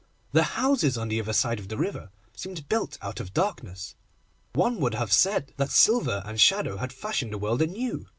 The houses on the other side of the river seemed built out of darkness. One would have said that silver and shadow had fashioned the world anew.